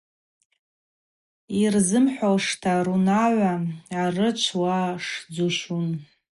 Йырзымхӏвушта рунагӏва арычвуашдзущун.